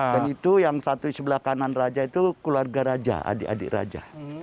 dan itu yang satu sebelah kanan raja itu keluarga raja adik adik raja